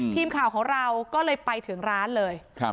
ทีมข่าวของเราก็เลยไปถึงร้านเลย